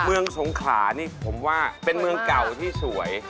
เมืองสงขานี่ผมว่าเป็นเมืองเก่าที่สวย